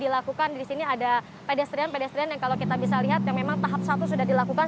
dilakukan di sini ada pedestrian pedestrian yang kalau kita bisa lihat yang memang tahap satu sudah dilakukan